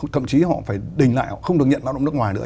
thậm chí họ phải đình lại họ không được nhận lao động nước ngoài nữa